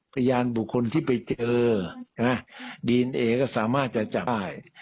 พยานบุคคลที่ไปเจอดีเอนเอก็สามารถจะจับได้